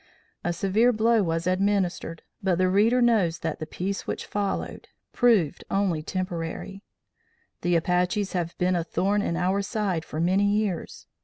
A severe blow was administered, but the reader knows that the peace which followed proved only temporary. The Apaches have been a thorn in our side for many years.